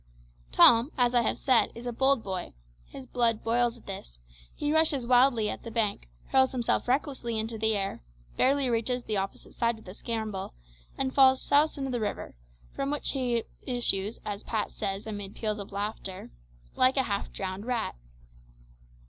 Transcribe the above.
Tom, as I have said, is a bold boy. His blood boils at this; he rushes wildly at the bank, hurls himself recklessly into the air, barely reaches the opposite side with a scramble, and falls souse into the river, from which he issues, as Pat says amid peals of laughter, "like a half drowned rat."